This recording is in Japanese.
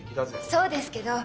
そうですけど。